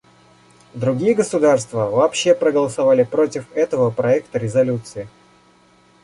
Другие государства вообще проголосовали против этого проекта резолюции.